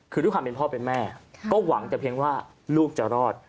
คือด้วยความเป็นพ่อเป็นแม่ก็หวังแต่เพียงว่าลูกจะรอด